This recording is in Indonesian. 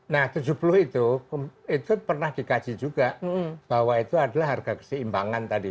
nah tujuh puluh itu itu pernah dikaji juga bahwa itu adalah harga keseimbangan tadi